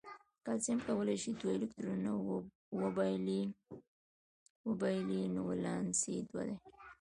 کلسیم کولای شي دوه الکترونونه وبایلي نو ولانس یې دوه دی.